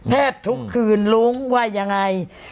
แทบทุกคืนรู้ว่ายังไง